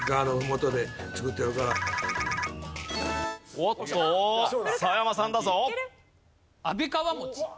おっと澤山さんだぞ。